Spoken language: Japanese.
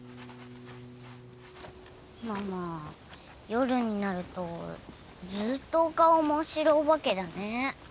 ママ夜になるとずーっとお顔真っ白お化けだね。